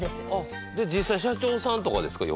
実際社長さんとかですか？